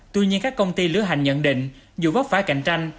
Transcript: tuy nhiên các công ty lưỡi hành nhận định dù vấp phải cạnh tranh